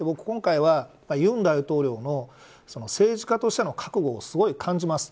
僕、今回は尹大統領、政治家としての覚悟をすごい感じます。